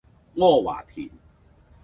阿華田